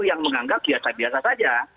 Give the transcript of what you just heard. yang menganggap biasa biasa saja